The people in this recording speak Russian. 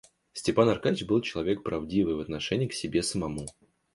Степан Аркадьич был человек правдивый в отношении к себе самому.